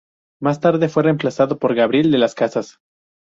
Más tarde fue reemplazado por Gabriel de las Casas.